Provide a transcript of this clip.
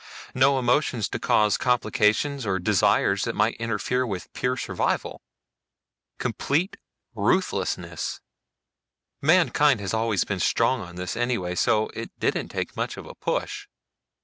No emotions to cause complications or desires that might interfere with pure survival. Complete ruthlessness mankind has always been strong on this anyway, so it didn't take much of a push."